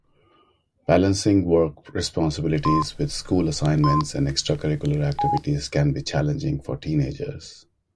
Balancing work responsibilities with school assignments and extracurricular activities can be challenging for teenagers.